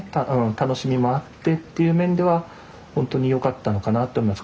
楽しみもあってっていう面ではほんとに良かったのかなって思います